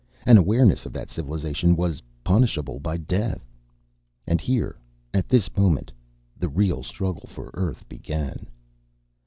An awareness of that civilization was punishable by death. And here, at this moment, the real struggle for Earth began.